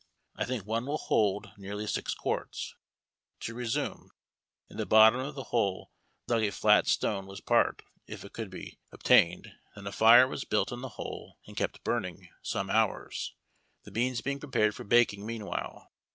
I think one will hold nearly six quarts. To resume ;— in the bot tom of the hole dug a flat stone was put, if it could be ARMY RATIONS. 137 obtained, then a fire was Iniilt in the liole and kept burning some liours, tlie beans being prepared for baking meanwhile.